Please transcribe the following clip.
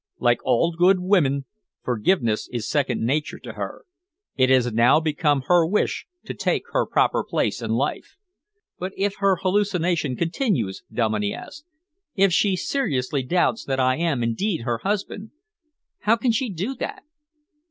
Like all good women, forgiveness is second nature to her. It has now become her wish to take her proper place in life." "But if her hallucination continues," Dominey asked, "if she seriously doubts that I am indeed her husband, how can she do that?"